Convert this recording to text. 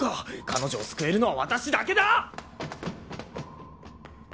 彼女を救えるのは私だけだ！